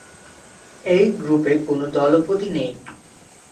এই গ্রুপে কোনো দলপতি নেই।